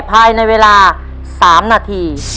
ภายในเวลา๓นาที